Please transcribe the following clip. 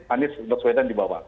anies waswedan di bawah